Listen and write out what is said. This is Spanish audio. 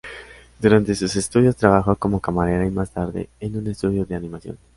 Durante sus estudios trabajó como camarera y, más tarde, en un estudio de animación.